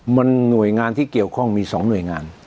มันหน่วยงานที่เกี่ยวข้องมี๒หน่วยงาน